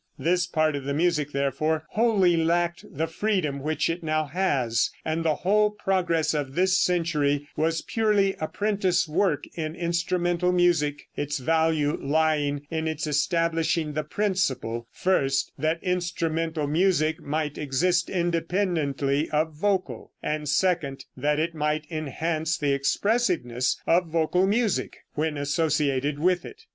This part of the music, therefore, wholly lacked the freedom which it now has, and the whole progress of this century was purely apprentice work in instrumental music, its value lying in its establishing the principle, first, that instrumental music might exist independently of vocal, and, second, that it might enhance the expressiveness of vocal music when associated with it.